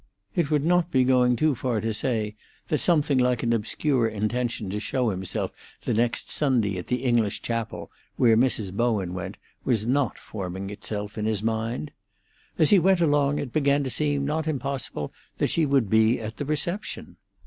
It would not be going too far to say that something like an obscure intention to show himself the next Sunday at the English chapel, where Mrs. Bowen went, was not forming itself in his mind. As he went along it began to seem not impossible that she would be at the reception.